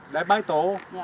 để bái tụ